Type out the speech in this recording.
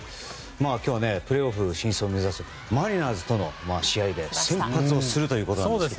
今日は、プレーオフ進出を目指すマリナーズとの試合で先発するということですが。